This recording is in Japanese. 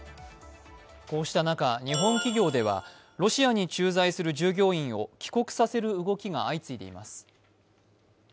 こうした中、日本企業ではロシアに駐在する従業員を帰国させる動きが相次いでいます。